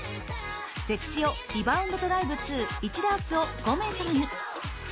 ゼクシオリバウンドドライブ２、１ダースを５名様に。